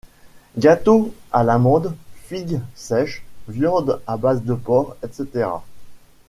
Gâteaux à l'amande, figues sèches, viande à base de porc, etc.